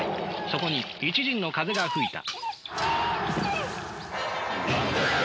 そこに一陣の風が吹いた。